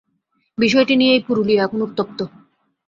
বিষয়টি নিয়েই পুরুলিয়া এখন উত্তপ্ত।